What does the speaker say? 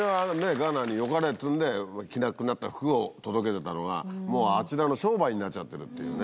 ガーナによかれっつうんで着なくなった服を届けてたのがもうあちらの商売になっちゃってるっていうね。